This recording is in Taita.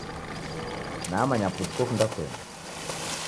Namanya putu kokunda kuenda